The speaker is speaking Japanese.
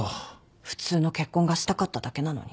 普通の結婚がしたかっただけなのに。